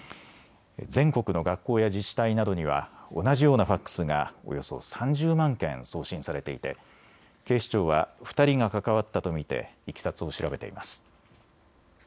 全国の学校や自治体などには同じようなファックスがおよそ３０万件送信されていて警視庁は２人が関わったと見ていきさつを調べています。